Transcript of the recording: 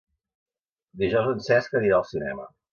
Dijous en Cesc anirà al cinema.